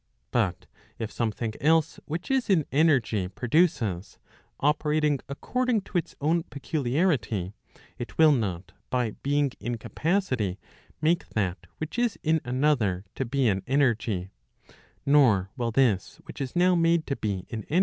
But if something else which is in energy produces,'operating according to its own peculiarity, it will not by being in capacity make that which is im another to be in energy; nor will this which is now made be in energy,, * eurm is oaaitted in the original.